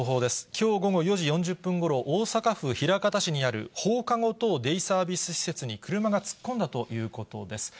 きょう午後４時４０分ごろ、大阪府枚方市にある、ほうかごとうデイサービス施設に車が突っ込んだということです。